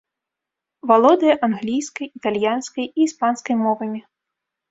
Валодае англійскай, італьянскай і іспанскай мовамі.